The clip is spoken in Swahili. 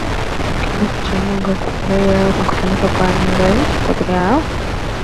Kibofu cha nyongo kufura au kupanuka na kuwa na nyongo nzito ya hudhurungi au